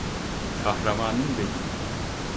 Kahramanım benim.